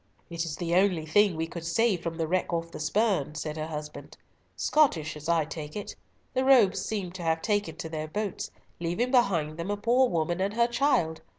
"It is the only thing we could save from a wreck off the Spurn," said her husband. "Scottish as I take it. The rogues seem to have taken to their boats, leaving behind them a poor woman and her child.